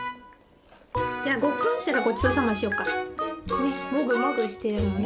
じゃごっくんしたらごちそうさましようか。ねもぐもぐしてるもんね。